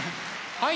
はい！